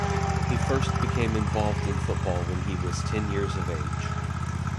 He first became involved in football when he was ten years of age.